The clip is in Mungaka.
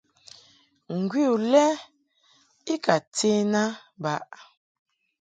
Ngwi u lɛ i ka ten a baʼ.